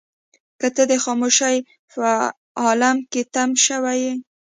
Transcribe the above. که ته د خاموشۍ په عالم کې تم شوې يې.